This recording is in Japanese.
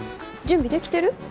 準備できてる？